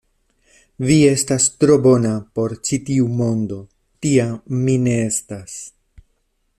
Vi estas tro bona por ĉi tiu mondo; tia mi ne estas.